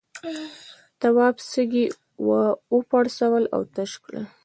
تواب سږي وپرسول او تش کړل.